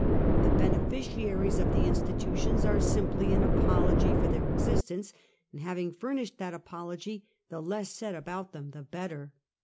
The beneficiaries of the institutions are simply an apology for their existence, and having fur nished that apology, the less said about them the better. Cost of Okder.